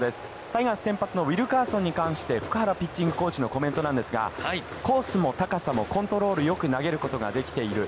タイガース先発のウィルカーソンに関して、福原ピッチングコーチのコメントなんですが、コースも高さもコントロールよく投げることができている。